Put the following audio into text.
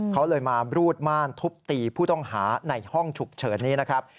เขาเลยมารูดม่านทุบตีผู้ต้องหาในห้องฉุกเฉินนี้นะครับ